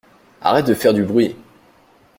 Arrête de faire du bruit!